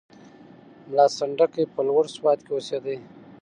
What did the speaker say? ملا سنډکی په لوړ سوات کې اوسېدی.